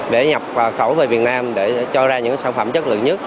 để nhập khẩu về việt nam để cho ra những sản phẩm chất lượng nhất